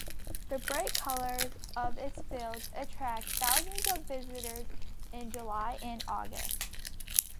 The bright colours of its fields attract thousands of visitors in July and August.